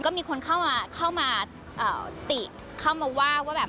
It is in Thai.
ก็มีคนเข้ามาติดเข้ามาว่าว่าแบบ